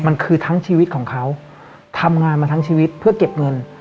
มันคือทั้งชีวิตของเขาทำงานมาทั้งชีวิตเพื่อเก็บเงิน